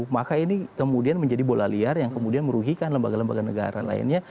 maka ini kemudian menjadi bola liar yang kemudian merugikan lembaga lembaga negara lainnya